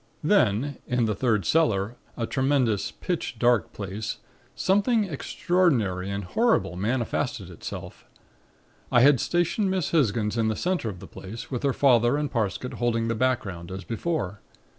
"Then in the third cellar, a tremendous, pitch dark place, something extraordinary and horrible manifested itself. I had stationed Miss Hisgins in the center of the place, with her father and Parsket holding the background as before.